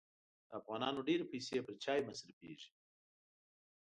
د افغانانو ډېري پیسې پر چایو مصرفېږي.